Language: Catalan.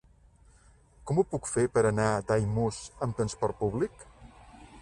Com ho puc fer per anar a Daimús amb transport públic?